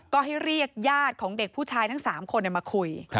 ก็ให้เรียกญาติของเด็กผู้ชายทั้ง๓คนมาคุย